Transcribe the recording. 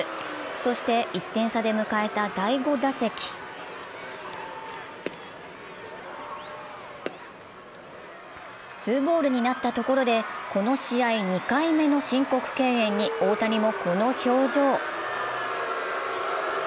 そして１点差で迎えた第５打席ツーボールになったところで、この試合２回目の申告敬遠に大谷もこの表情。